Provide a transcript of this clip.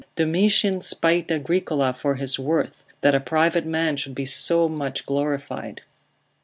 Domitian spited Agricola for his worth, that a private man should be so much glorified.